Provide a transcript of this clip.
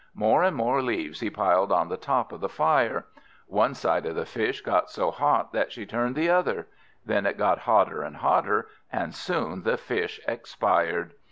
More and more leaves he piled on the top of the fire. One side of the Fish got so hot that she turned the other. Then it got hotter and hotter, and soon the Fish expired.